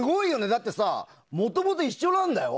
だってさ、もともと一緒なんだよ。